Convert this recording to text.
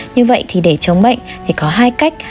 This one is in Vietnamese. như vậy thì để chống bệnh thì có hai cách